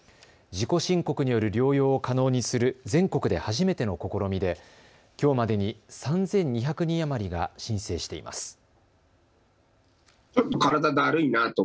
自己申告による療養を可能にする全国で初めての試みできょうまでに３２００人余りが申請しています。